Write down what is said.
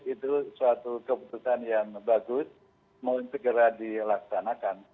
itu suatu keputusan yang bagus mau segera dilaksanakan